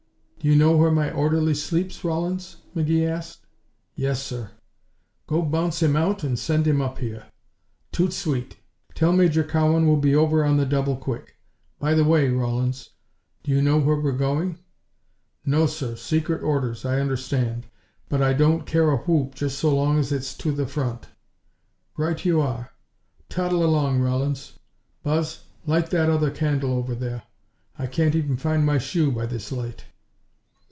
"Do you know where my orderly sleeps, Rawlins?" McGee asked. "Yes, sir." "Go bounce him out and send him up here, tout suite! Tell Major Cowan we'll be over on the double quick. By the way, Rawlins, do you know where we're going?" "No, sir. Secret orders, I understand. But I don't care a whoop just so long as it's to the front." "Right you are. Toddle along, Rawlins. Buzz, light that other candle over there. I can't even find my shoe by this light."